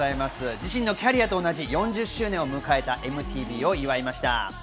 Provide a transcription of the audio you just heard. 自身のキャリアと同じ４０周年を迎えたＭＴＶを祝いました。